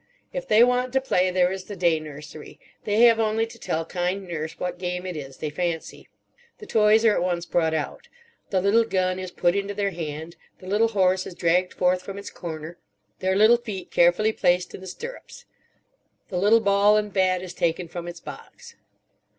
If they want to play, there is the day nursery. They have only to tell kind nurse what game it is they fancy. The toys are at once brought out. The little gun is put into their hand; the little horse is dragged forth from its corner, their little feet carefully placed in the stirrups. The little ball and bat is taken from its box.